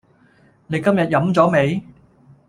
你今日飲咗未？